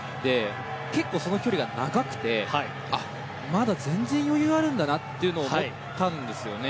結構、その距離が長くてまだ全然余裕があるんだなと思ったんですよね。